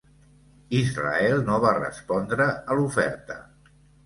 Israel no va respondre a l'oferta.